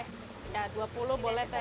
rp dua puluh an boleh teh